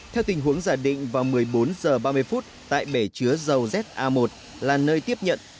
theo tình huống giả định vào một mươi bốn h ba mươi tại bể chứa dầu za một là nơi tiếp nhận